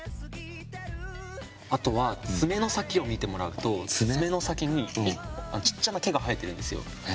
あとはつめの先を見てもらうとつめの先にちっちゃな毛が生えてるんですよ。